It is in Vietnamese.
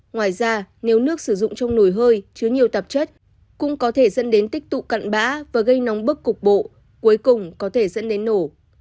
ngoài ra nếu nước sử dụng trong nồi hơi chứa nhiều tạp chất cũng có thể dẫn đến tích tụ cặn bã và gây nóng bức cục bộ cuối cùng có thể dẫn đến nổ